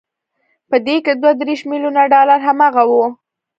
په دې کې دوه دېرش ميليونه ډالر هماغه وو.